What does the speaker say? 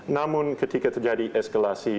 namun ketika terjadi eskalasi